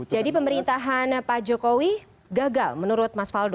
jadi pemerintahan pak jokowi gagal menurut mas faldo